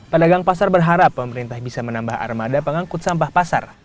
pedagang pasar berharap pemerintah bisa menambah armada pengangkut sampah pasar